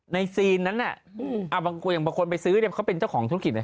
ในซีนนั้นบางคนไปซื้อเขาเป็นเจ้าของธุรกิจ